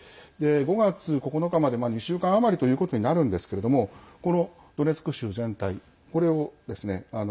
５月９日まで２週間余りということになるんですけれどもこのドネツク州全体これをですね